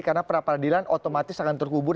karena pra peradilan otomatis akan terkubur